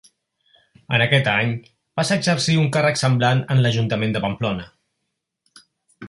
En aquest any, passa a exercir un càrrec semblant en l'Ajuntament de Pamplona.